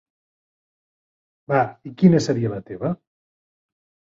Val, i quina seria la teva?